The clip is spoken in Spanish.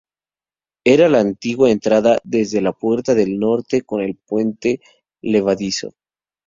Era la antigua entrada desde la puerta del norte con el puente levadizo.